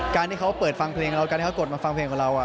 การที่เขาเปิดฟังเพลงเราการให้เขากดมาฟังเพลงของเรา